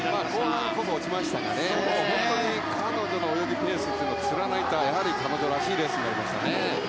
後半こそ落ちましたが本当に彼女の泳ぎ、ペースを貫いたやはり彼女らしいレースになりましたね。